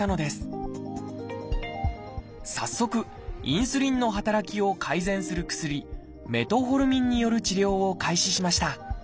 早速インスリンの働きを改善する薬メトホルミンによる治療を開始しました。